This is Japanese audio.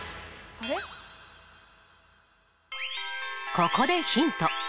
ここでヒント。